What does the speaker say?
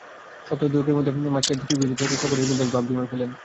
সপ্তাহ দুয়েকের মধ্যেই মাশিয়াত দেশি-বিদেশি সহপাঠীদের সঙ্গে বেশ ভাব জমিয়ে ফেলেন।